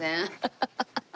ハハハハ。